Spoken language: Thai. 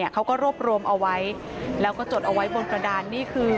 เขาก็รวบรวมเอาไว้แล้วก็จดเอาไว้บนกระดานนี่คือ